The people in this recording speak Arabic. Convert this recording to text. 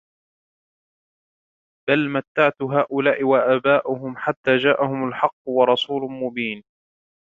بَلْ مَتَّعْتُ هَؤُلَاءِ وَآبَاءَهُمْ حَتَّى جَاءَهُمُ الْحَقُّ وَرَسُولٌ مُبِينٌ